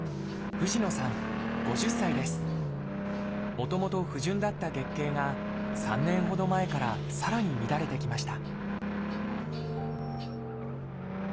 もともと不順だった月経が３年ほど前からさらに乱れてきました